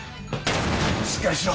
しっかりしろ！